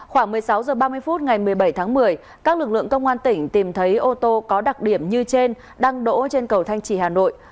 khoảng một mươi sáu h ba mươi phút ngày một mươi bảy tháng một mươi các lực lượng công an tỉnh tìm thấy ô tô có đặc điểm như trên đang đổ trên cầu thanh trì hà nội